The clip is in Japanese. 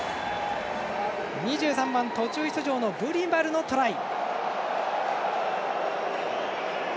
２３番、途中出場のブニバルのトライ。